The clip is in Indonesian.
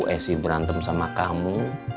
eh si berantem sama kamu